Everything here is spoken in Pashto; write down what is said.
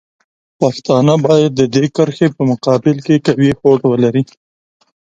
پښتانه باید د دې کرښې په مقابل کې قوي هوډ ولري.